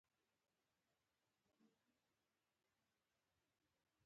په ګیدړې پورې خپل پوست اور دی افسانوي شالید لري